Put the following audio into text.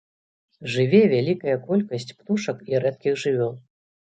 Жыве вялікая колькасць птушак і рэдкіх жывёл.